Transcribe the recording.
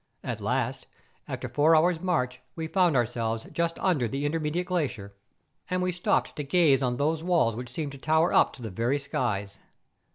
At last, after four hours' march we found ourselves just under the intermediate glacier ; and we stopped to gaze on those walls which seemed to tower up to the very skies.